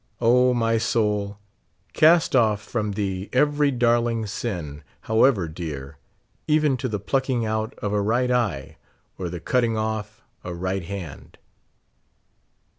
O, m} soul, cast off from thee ever^^ darling sin, however dear, even to the plucking out of a right eye or the cutting off a right hand.